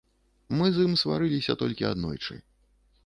Мы з ім сварыліся толькі аднойчы.